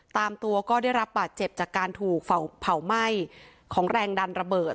ตามตัวก็ได้รับบาดเจ็บจากการถูกเผาไหม้ของแรงดันระเบิด